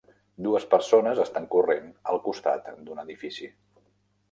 Dues persones estan corrent al costat d'un edifici.